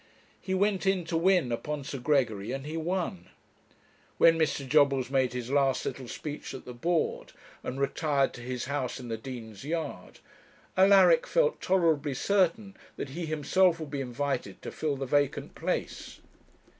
He went in to win upon Sir Gregory, and he won. When Mr. Jobbles made his last little speech at the Board, and retired to his house in the Dean's yard, Alaric felt tolerably certain that he himself would be invited to fill the vacant place.